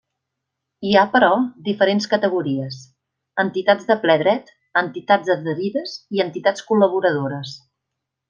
Hi ha, però, diferents categories: entitats de ple dret, entitats adherides i entitats col·laboradores.